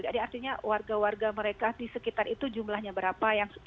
jadi artinya warga warga mereka di sekitar itu jumlahnya berapa yang sepilih